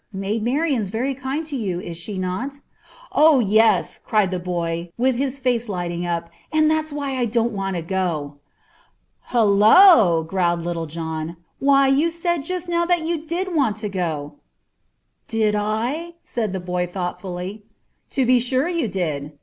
Maid Marian's very kind to you, is she not?" "Oh! yes," cried the boy, with his face lighting up, "and that's why I don't want to go." "Hullo!" growled Little John. "Why, you said just now that you did want to go!" "Did I?" said the boy thoughtfully. "To be sure you did.